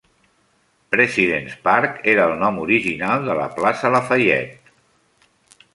President's Park era el nom original de la plaça Lafayette.